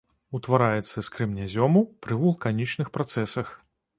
Утвараецца з крэменязёму пры вулканічных працэсах.